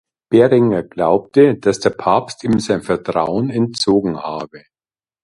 Berenger glaubte, dass der Papst ihm sein Vertrauen entzogen habe.